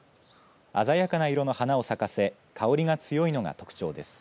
鮮やかな色の花を咲かせ香りが強いのが特徴です。